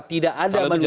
tidak ada manusia